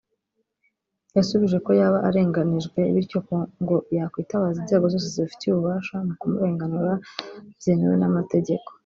yasubije ko yaba arenganijwe bityo ko ngo yakwitabaza inzego zose zibifitiye ububasha mu kumurenganura byemewe n’amategeko